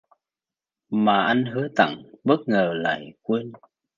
Mà anh hứa tặng bất ngờ lại quên